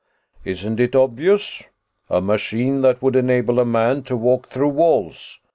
"Isn't it obvious? A machine that would enable a man to walk through walls.